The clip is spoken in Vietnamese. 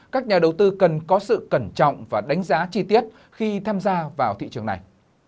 các nhà đầu tư cần có sự cẩn trọng và đánh giá chi tiết khi tham gia vào thị trường này